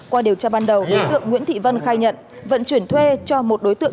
qua điều tra ban đầu đối tượng nguyễn thị vân khai nhận vận chuyển thuê cho một đối tượng